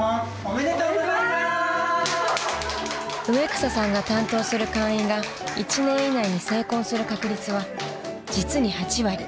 ［植草さんが担当する会員が１年以内に成婚する確率は実に８割］